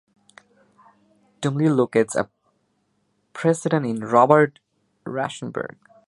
Tumlir locates a precedent in Robert Rauschenberg.